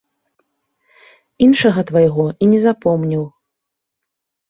Іншага твайго і не запомніў.